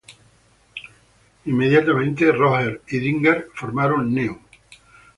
Inmediatamente, Rother y Dinger formaron Neu!